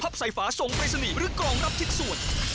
ภัพไสฟ้าทรงเพศนีหรือกรองรับทิศส่วน